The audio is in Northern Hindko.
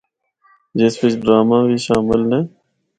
جس وچ ڈرامہ وی شامل نے۔